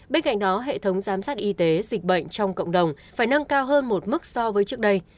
bên cạnh đó hệ thống giám sát y tế dịch bệnh trong cộng đồng phải nâng cao hơn một mức so với trước đây